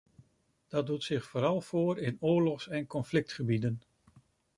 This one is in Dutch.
Dat doet zich vooral voor in oorlogs- en conflictgebieden.